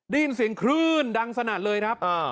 ได้ยินเสียงคลื่นดังสนั่นเลยครับ